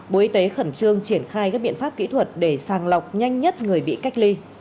bộ y tế khẩn trương triển khai các biện pháp kỹ thuật để sàng lọc nhanh nhất người bị cách ly